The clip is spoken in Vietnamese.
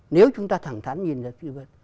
nếu chúng ta thẳng thắn nhìn ra kỹ vật